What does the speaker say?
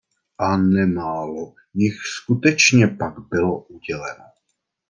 A nemálo jich skutečně pak bylo uděleno.